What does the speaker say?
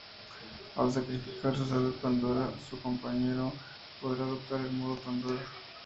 Al sacrificar su salud a Pandora, su compañero podrá adoptar el modo Pandora.